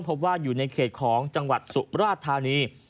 พบว่าอยู่ในเขตของจังหวัดสุมราชธานี